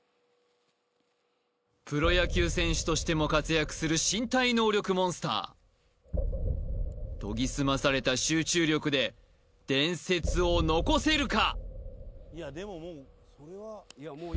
プロ野球選手としても活躍する身体能力モンスター研ぎ澄まされた集中力で伝説を残せるか？